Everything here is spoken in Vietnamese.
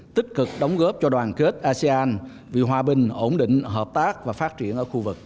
tích cực đóng góp cho đoàn kết asean vì hòa bình ổn định hợp tác và phát triển ở khu vực